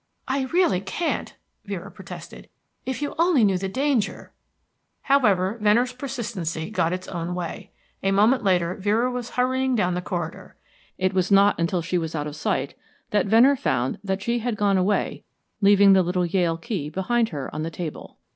"I really can't," Vera protested. "If you only knew the danger " However, Venner's persistency got its own way. A moment later Vera was hurrying down the corridor. It was not until she was out of sight that Venner found that she had gone away, leaving the little Yale key behind her on the table.